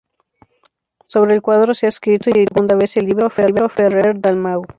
Sobre el cuadro se ha escrito y editado por segunda vez el libro "Ferrer-Dalmau.